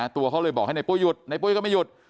ตัวเขาเลยบอกให้ในปุ้ยหยุดในปุ้ยก็ไม่หยุด